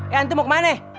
eh antum mau kemana